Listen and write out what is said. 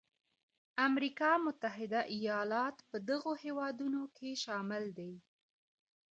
امریکا متحده ایالات په دغو هېوادونو کې شامل دی.